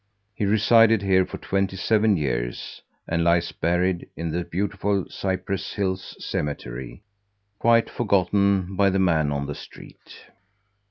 He resided here for twenty seven years and lies buried in the beautiful Cypress Hills Cemetery, quite forgotten by the man on the street.